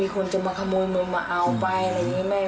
คนจะมาขโมยมึงมาเอาไปอะไรอย่างนี้แม่